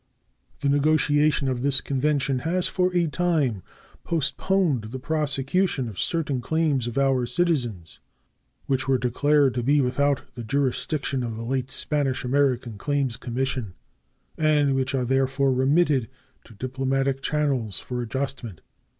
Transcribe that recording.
The negotiation of this convention has for a time postponed the prosecution of certain claims of our citizens which were declared to be without the jurisdiction of the late Spanish American Claims Commission, and which are therefore remitted to diplomatic channels for adjustment.